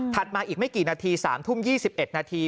มาอีกไม่กี่นาที๓ทุ่ม๒๑นาที